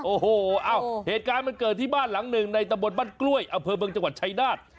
โอ้โหเอ้าเหตุการณ์มันเกิดที่บ้านหลังหนึ่งในตะบนบ้านกล้วยอำเภอเมืองจังหวัดชายนาฏ